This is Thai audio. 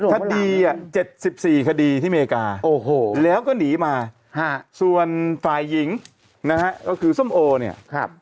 คดี๗๔คดีที่อเมริกาแล้วก็หนีมาส่วนฝ่ายหญิงนะฮะก็คือส้มโอเนี่ย